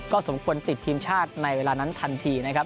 สมควรติดทีมชาติในเวลานั้นทันทีนะครับ